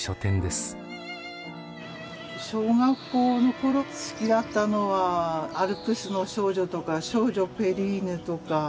小学校の頃好きだったのは「アルプスの少女」とか「少女ペリーヌ」とか。